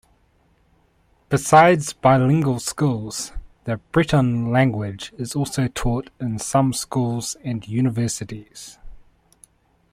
Besides bilingual schools, the Breton language is also taught in some schools and universities.